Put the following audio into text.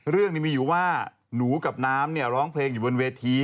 เรื่องนี้มีอยู่ว่าหนูกับน้ำเนี่ยร้องเพลงอยู่บนเวที